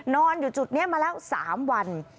นอนอยู่จุดนี้มาแล้ว๓วัน